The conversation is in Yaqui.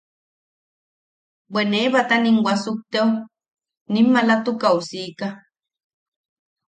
Bwe ne batanim wasukteo, nim maalatukaʼu siika.